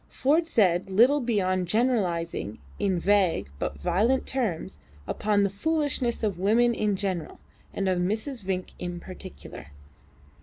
Ford said little beyond generalising in vague but violent terms upon the foolishness of women in general, and of Mrs. Vinck in particular.